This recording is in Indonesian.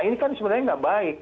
ini kan sebenarnya nggak baik